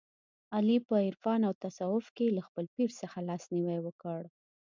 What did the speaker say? علي په عرفان او تصوف کې له خپل پیر څخه لاس نیوی وکړ.